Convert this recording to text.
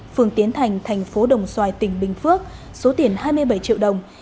phường tiến thành thành phố đồng xoài tỉnh bình phước số tiền hai mươi bảy triệu đồng